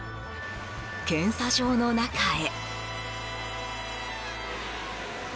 検査場の中へ。